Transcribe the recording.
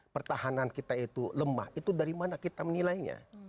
pertahanan kita itu lemah itu dari mana kita menilainya